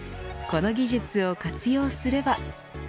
この技術を活用すれば。